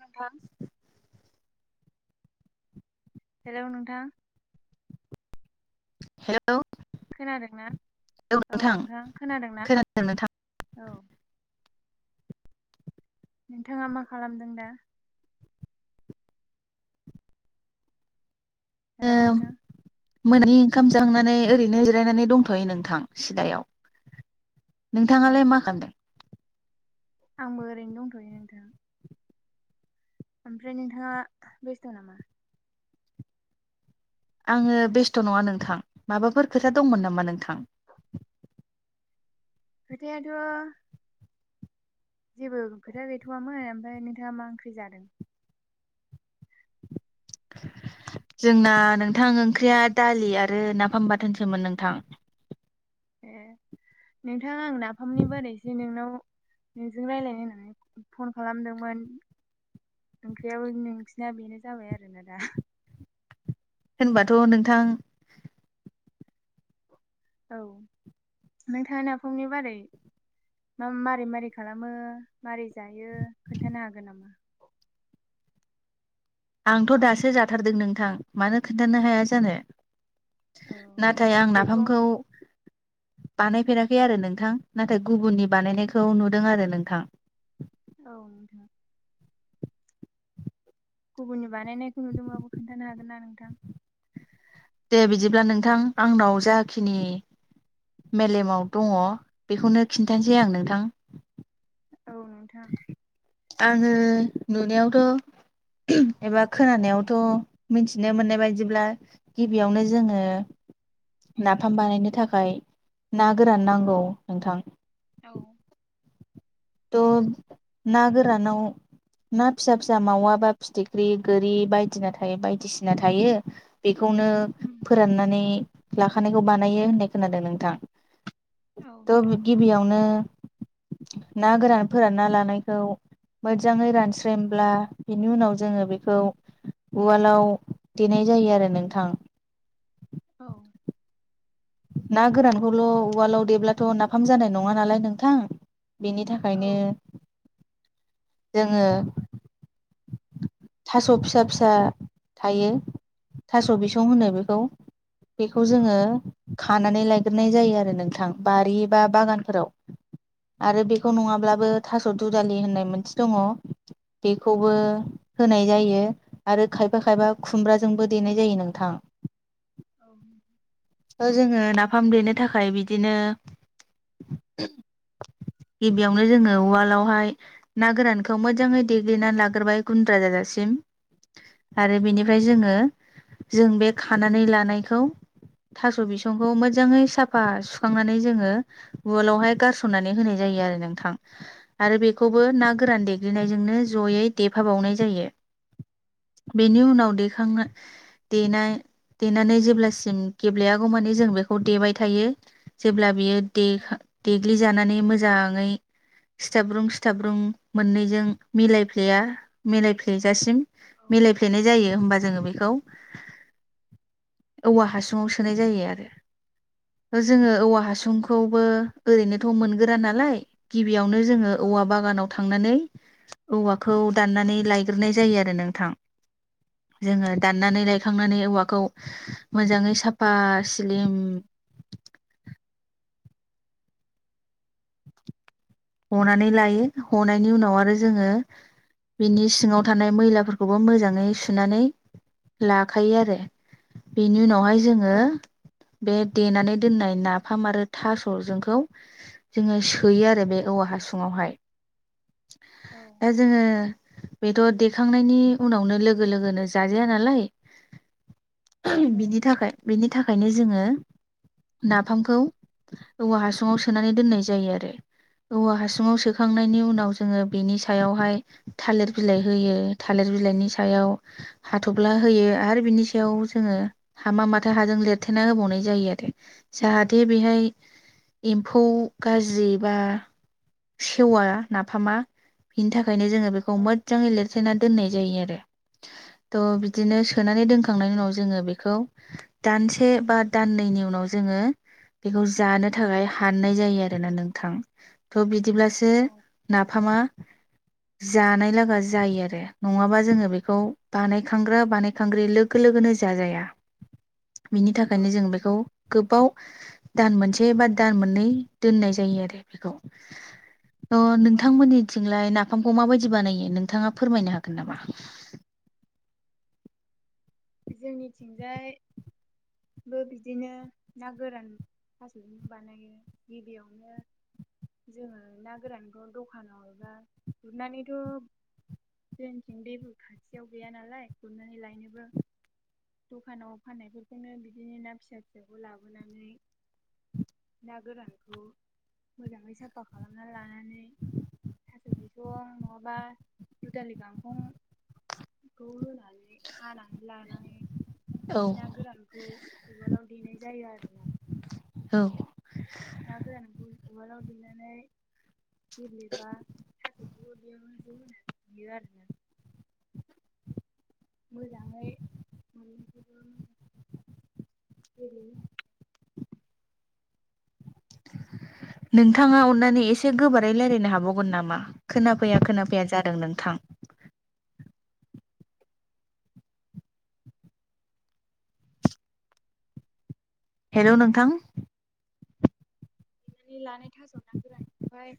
नोंथां। हेलौ नोंथां। हेलौ। औ खोनादोंना? नोंथां खोनादोंना? खोनादों नोंथां नोंथाङा मा खालामदों दा? हेलौ नोंथां। मोनानि ओंखाम जांखांनानै ओरैनो जिरायनानै दंथ'यो नोंथां सिलायाव। ए नोंथाङालाय मा खामदों? आंबो ओरैनो दंथ'यो नोंथां। ओमफ्राय नोंथाङा बेस्थ' नामा? आङो बेस्थ' नङा नोंथां माबाफोर खोथा दंमोन नामा नोंथां? खोथायाथ' जेबो खोथा गैथ'वामोन ओमफ्राय नोंथाङा मा ओंख्रि जादों? जोंना नोंथां ओंख्रिया दालि आरो नाफाम बाथोनसोमोन नोंथां। ए नोंथां आं नाफामनि बारैसो नोंनाव नोंजों रायलायनो होननानै फन खालामदोंमोन। ओंख्रियाबो नोंसिना बेनो जाबाय आरोना दा। होनबाथ' नोंथां औ नोंथाङा नाफामनि बारै मारै मारै खालामो मारै जायो खोन्थानो हागोन नामा? आंथ' दासो जाथारदों नों थां मानो खोनन्थानो हाया जानो औ नाथाय आं बेखौ नाफामखौ [inaudible] बानायफेराखै औ आरो नोंथां ना थाय गुबुननि बानायनायखौ नुदों आरो नोंथां औ नोंथां गुबुननि बानायनायखौ नुदोंबाबो खोनन्थानो हागोन ना नोंथां दे बिदिब्ला नोंथां आंनाव जाखिनि मेलेमाव दङ बेखौनो खिन्थानोसै आं नोंथां औ नोंथां आङो नुनायावथ' एबा खोनानायावथ' मिथिनो मोननाय बायदिब्ला गिबियावनो जोङो नाफाम बानायनो थाखाय ना गोरान औ नांगौ नोंथां औ ओ ना गोरानाव ना फिसा फिसा मावा बा फिथिख्रि गोरि बायदि ना थायो बायदिसिना थायो बे बेखौनो उम फोराननानै लाखानायखौ बानायो होननाय खोनादों नोंथां औ नोंथां थ' गिबियावनो ना गोरान फोरानना लानायखौ मोजाङै रानस्रेमब्ला बिनि उनाव जोङो बेखौ उवालाव देनाय जायो आरो नोंथां औ ना गोरानखौल' उवालाव देब्लाथ' नाफाम जानाय नङा नालाय नोंथां बेनि औ थाखायनो जोङो थास' फिसा फिसा थायो थास' औ बिसं होनो बेखौ बेखौ औ जोङो खानानै लायग्रोनाय जायो आरो नोंथां बारि बा बागानफोराव आरो औ बेखौ नङाब्लाबो थास' दुदालि होननाय मोनसे दङ बेखौबो होनाय जायो आरो खायफा खायफा खुमब्राजोंबो देनाय जायो नोंथां औ जोङो नाफाम देनो थाखाय बिदिनो गिबियावनो जोङो उवालावहाय ना गोरानखौ मोजाङै देग्लिनानै लाग्रोबाय गुन्द्रा जाजासिम आरो औ बेनिफ्राय जोङो जों बे खानानै लानायखौ थास' बिसंखौ मोजाङै साफा सुखांनानै जोङो उवालावहाय गारसननानै होनाय जायो आरो नोंथां आरो बे खौबो ना गोरान देग्लिनायजोंनो जयै देफाबावनाय जायो बेनि औ उनाव दैखांनो देनाय देनानै जेब्लासिम गेब्लेयागौ मानि जों बेखौ देबाय थायो जेब्ला बियो। औ देखा देग्लिजानानै मोज जाङै सिथाब्रुं सिथाब्रुं मोननैजों मिलायफ्लेया मिलायफ्लेजासिम। मिलायफ्लेनाय जायो होम्बा [unintelligible] जोङो बेखो औवा हासु [unintelligible] सोनाय जायो आरो ओ जोङो औवा हासुंखौबो। ओरैनोथ' मोनगोरा नालाय गि बेयावनो जोङो औ औवा बागानाव थांनानै औवाखौ दाननानै लायग्रोनाय जायो आरो नोंथां। जोङो नोंथां दाननानै लायखांनानै औवाखौ। [unintelligible] मोजाङै साफा स्लिम हनानै लायो हनायनि उनाव आ रो औ जोङो बिनिस सिङाव थानाय मैलाफोरखौबो मोजाङै सुनानै लाखायो आरो बेनि उनाव। [unintelligible] औ जोङो बे। देनानै दोननाय नाफाम आरो थास'जोंखौ जोङो सोयो आरो बे। औवा हासुङावहाय। औ दा औ जोङो। बेथ' देखांनायनि उनावनो लोगो लोगोनो जाजाया नालाय। [unintelligible] बिनि थाखाय बिनि थाखायनो। जोङो नाफामखौ औवा हासुुङाव सोनानै दोननाय जायो आरो। औवा हासु [unintelligible] सोखांनायनि उनाव जोङो बेनि [unintelligible] सायावहाय थालिर बिलाइ होयो थालिर बिलाइनि सायाव हाथ'फ्ला होयो आरो बिनि सायाव जोङो हामा माथा हाजों लिरथेना होबावनाय जायो आरो जाहाथे बेहाय एम्फौ गाज्रि बा। सेवा नाफामा बिनि थाख [unintelligible] जोङो बेखौ औ मोज्जाङै लिरथायनान दोननाय जायो आरो। त' बिदिनो सोनानै दोनखांनायनि उनावज जोङो बेखौ दानसे बा दाननैनि उनाव जोङो बेखौ जानो थाखाय हाननाय जायो आरोोना नोंथां। थ बि। बिदिब्लासो औ नाफामा जानाय लागा जायो आरो नङाबा जोङो बेखौ बानायखांग्रा बानायखांग्रि लोगो लोगोनो जाजाया। बिनि थाखायनो जों नोंथां बेखौ गोबाव दान मोनसे बा दान मोननै दोननाय जायो आरो बेखौ। [unintelligible] अ औ नोंथांमोननिथिंलाय नाफाम अ माबायदि बानायो नोंथाङा फोरमायनो हागोन नामा जोंनिथिंजायाबबो बिदिनो ना गोरान थास'नो बानायो गिबियावनो जोङो ना गोरानखौ दखानाव एबा गुरनानैथ' जोंथिं दैबो खाथियाव गैया नालाय गुरनानै लायनोबो दखानाव फाननायफोरखौनो बिदिनो ना फिसा फिसाखौ लाबोनानै ना गोरानखौ मोजाङै साफा खालामना लानानै थास' बिसं नङाबा दुदालि गांखंखौ होनानै हानानै लायनानै। औ ना गोरानखौ उवालाव देनाय जायो आरो ना। औ ना गोरानखौ उवालाव देनानै। गेब्लेबा थासखौबो बेयावनो ज होना देयो आरोना मोजाङै मोन्नैखौबो मोजां गेब्लेहोनानै नोंथाङा अन्नानै एसे गोबोरै रायजलायनो हाबावगोन नामा खोनाफैया खोनाफैया जादों नोंथां हेल' नोंथां देनानै लानाय थास' ना गोरानखौहाय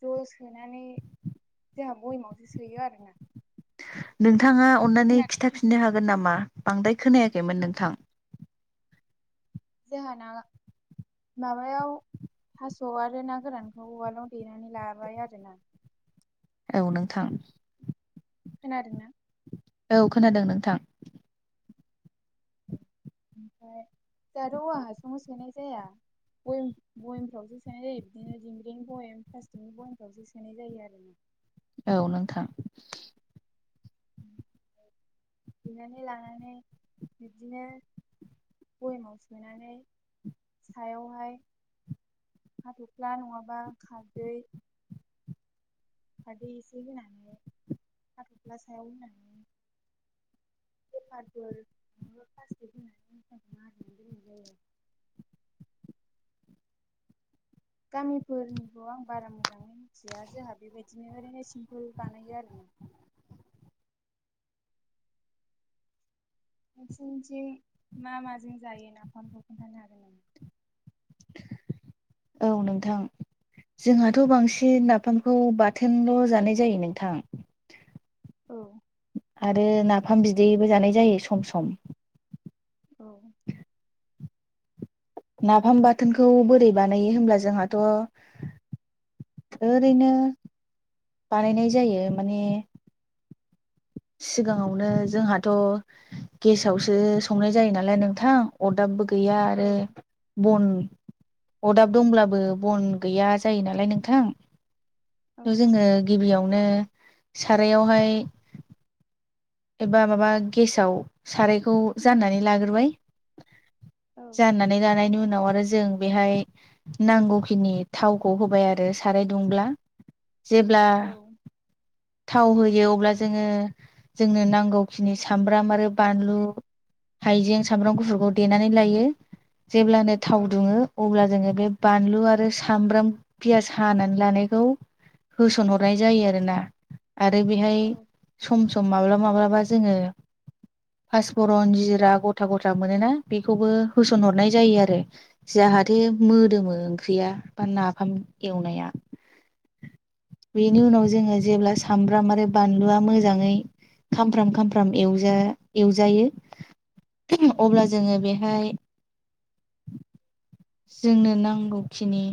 ज' सोनानै जोंहा बयमावसो सोयो आरोना नों नोंथाङा अननानै खोनादों खिन्थाफिननो हागोन नामा था बांद्राय खोनायाखैमोन नोंथां जोंहाना माबायाव थास' आरो ना गोरानखौ उवालाव देनानै लाबाय आरोना औ नोंथां खोनादों ना औ खोनादों नोंथां ओमफ्राय दाथ' औवा हासुङाव सोनाय जाया बयेमफ्रावसो सोनाय जायो बिदिनो दिंब्रिनि बयेम प्लास्टिकनि बयमफ्रावसो सोनाय जायो आरो ना औ नोंथां देनानै लानानै बिदिनो बयामाव सोनानै सायावहाय हाथ'फ्ला नङाबा खारदै खारदै एसे होनानै फाथ'फ्ला सायाव होनानै पेपारफोर नङाब्ला प्लास्टि होनानै मुख्राखौ मारिनानै दोननाय जायो गामिफोरनिखौ आं बारा मोजाङै मिथिया जोंहा बेबायदिनो ओरैनो सिमपोल बानायो आरोना नोंसिनिथिं मा माजों जायो नाफामखौ खोन्थानो हागोन नामा औ नोंथां जोंहाथ' बांसिन नाफामखौ बाथोनल' जानाय जायो नोंथां औ आरो नाफाम बिदैबो जानाय जायो सम सम औ नाफाम बाथोनखौ बोरै बानायो होमब्ला जोंहाथ' ओरैनो बानायनाय जायो माने सिगाङावनो जोंहाथ' गेसावसो संनाय जायो नालाय नोंथां अरदाबबो गो गैया औ आरो बन अदाब दंब्लाबो बन गैया जायो नालाय नोंथां औ थ' जोङो गिबियावनो सारायावहाय एबा माबा गेसाव सारायखौ जाननानै लाग्रोबाय औ जाननानै लानायनि उनाव आरो जों बेहाय नांगौखिनि थावखौ होबाय आरो साराय दुंब्ला जेब्ला औ थाव होयो अब्ला जोङो जोंनो नांगौखिनि सामब्राम आरो बानलु हाइजें सामब्राम गुफुरखौ देनानै लायो। जेब्लानो थाव दुङो अब्ला जोङो बे बानलु आरो सामब्राम पियास हानानै लानायखौ होसनहरनाय जायो आरोना। आरो बेहाय औ सम सम माब्लाबा माब्लाबा जोङो फासफरन जिरा गथा गथा मोनो ना बेखौबो होसनहरनाय जायो आरो जाहा थे मोदोमो ओंख्रिया। बा नाफाम एवनाया बेनि उनाव जोङो जेब्ला सामब्राम आरो बानलुआ मोजाङै खामफ्राम खामफ्राम एवजा-एवजायो औ अब्ला जोङो बेहाय जोंनो नांगौखिनि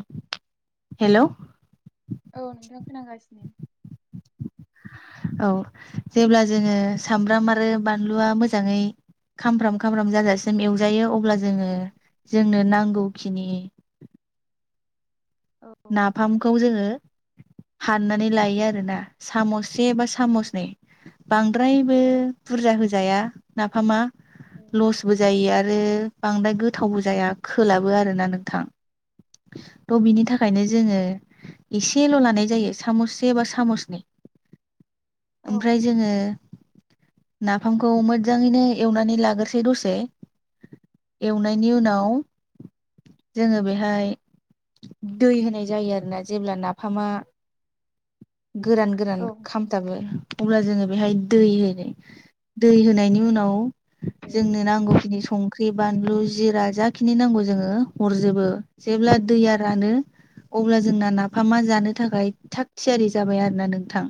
हेलौ औ नोंथां खोनागासिनो। औ जेब्ला जोङो सामब्राम आरो बानलुआ मोजाङै खामफ्राम खामफ्राम जाजासिम एवजायो अब्ला जोङो जोंनो नांगौखिनि औ नाफामखौ जोङो हाननानै लायो आरोना साम'स से बा औ सामसनै बांद्रायबो औ बुरजा होजाया। नाफामा लसबो औ जायो आरो बांद्राय गो गोथावबो जाया खोलाबो आरोना नोंथां। त' बिनि थाखा जोङो एसेल' लानाय जायो सामससे बा सामसनै। औ ओमफ्राय जोङो नाफामखौ मोजाङैनो एवनानै लाग्रोसै दसे एवनायनि उनाव जोङो बेहाय दै होनाय जायो आरोना जेब्ला नाफामा गोरान गोरान औ खाम अब्ला जोङो बेहाय दै होनो दै होनायनि उनाव जोंनो नांगौखिनि संख्रि बानलु जिरा जाखिनि नांगौ जोङो हरजोबो जेब्ला दैया रानो अब्ला जोंना नाफामा जानो थाखाय थाग थियारि जाबाय आरो ना नोंथां।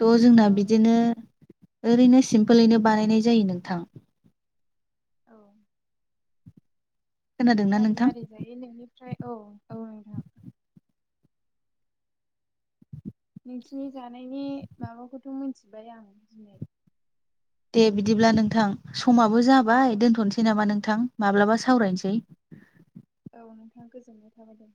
थ' जोंना औ बिदिनो नोंथां ओरैनो सिमपोलैनो बानायनाय जायो नोंथां। औ खोनादोंना मारै नोंथां मारै जायो नोंनिफ्राय औ औ नोंथां। नोंसिनि जानायनि माबाखौथ' मिथिबाय आं दिनै। दे बिदिब्ला नोंथां। समाबो जाबाय दोनथ'नोसै नामा नोंथां? माब्लाबा सावरायनोसै औ नोंथां गोजोननाय थाबाय दे